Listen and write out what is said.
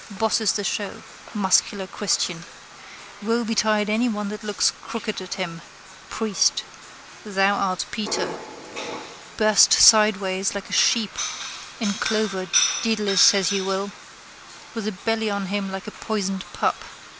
Bosses the show. Muscular christian. Woe betide anyone that looks crooked at him: priest. Thou art Peter. Burst sideways like a sheep in clover Dedalus says he will. With a belly on him like a poisoned pup.